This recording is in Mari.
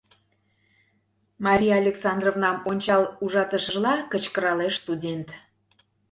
— Мария Александровнам ончал ужатышыжла, кычкыралеш студент.